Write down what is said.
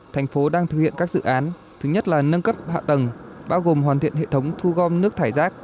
thành phố đang thực hiện các dự án thứ nhất là nâng cấp hạ tầng bao gồm hoàn thiện hệ thống thu gom nước thải rác